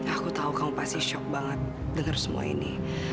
aku tahu kamu pasti shock banget dengar semua ini